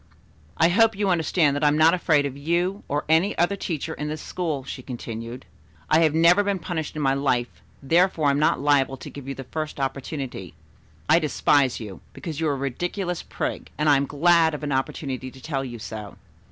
"I hope you understand that I am not afraid of you or any other teacher in this school," she continued. "I have never been punished in my life, therefore I am not liable to give you the first opportunity. I despise you, because you are a ridiculous prig, and I am glad of an opportunity to tell you so.